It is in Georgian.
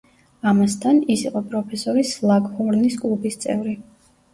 ამასთან, ის იყო პროფესორი სლაგჰორნის კლუბის წევრი.